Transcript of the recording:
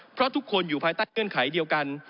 เพราะทุกคนอยู่ภายใต้เงื่อนไขเดียวกัน